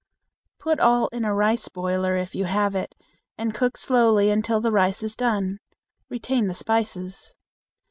Put all in a rice boiler if you have it and cook slowly until the rice is done. Retain the spices.